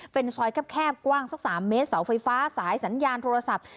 เป็นซอยแคบกว้างสัก๓เมตรเสาไฟฟ้าสายสัญญาณโทรศัพท์